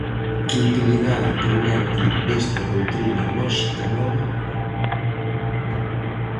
Que utilidade promete esta doutrina lóxica nova?